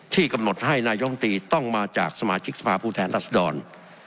กำหนดให้นายมตรีต้องมาจากสมาชิกสภาพผู้แทนรัศดร